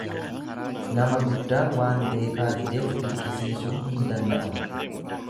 Nama guddaa waan beekaa dideef dirqisiisuun hin danda'amu.